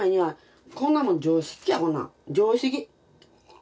常識。